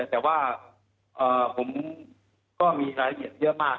แต่ว่าผมก็มีรายละเอียดเยอะมาก